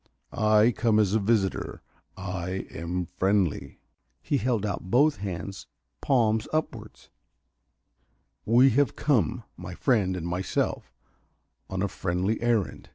I come as a visitor I am friendly." He held out both his hands, palms upward. "We have come, my friend and myself, on a friendly errand."